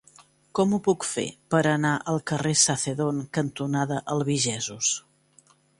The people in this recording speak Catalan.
Com ho puc fer per anar al carrer Sacedón cantonada Albigesos?